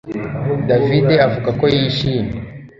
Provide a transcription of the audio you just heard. David avuga ko yishimye